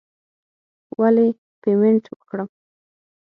ولې پیمنټ وکړم.